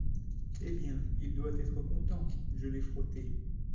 Eh bien, il doit être content ! je l’ai frotté…